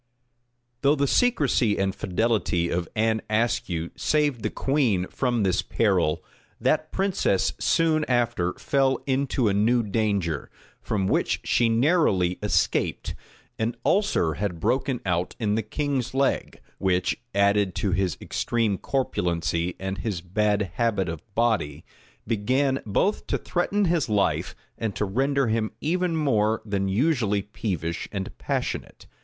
Though the secrecy and fidelity of Anne Ascue saved the queen from this peril, that princess soon after fell into a new danger, from which she narrowly escaped. An ulcer had broken out in the king's leg, which, added to his extreme corpulency and his bad habit of body, began both to threaten his life and to render him even more than usually peevish and passionate.